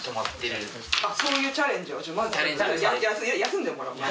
休んでもらおうか。